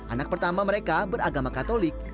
anak pertama mereka beragama katolik